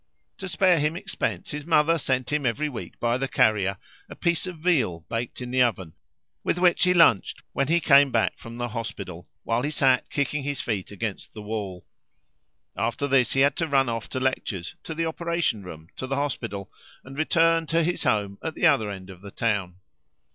To spare him expense his mother sent him every week by the carrier a piece of veal baked in the oven, with which he lunched when he came back from the hospital, while he sat kicking his feet against the wall. After this he had to run off to lectures, to the operation room, to the hospital, and return to his home at the other end of the town.